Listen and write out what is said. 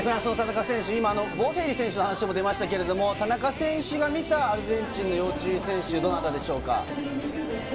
ボフェリ選手の話も出ましたけれども、田中選手が見た、アルゼンチンの要注意選手はどなたでしょうか？